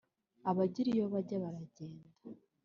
Abagira iyo bajya baragenda.